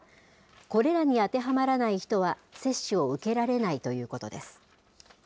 これらに当てはまらない人は、接種を受けられないということです。